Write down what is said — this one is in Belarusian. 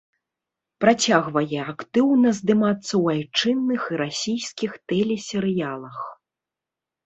Працягвае актыўна здымацца ў айчынных і расійскіх тэлесерыялах.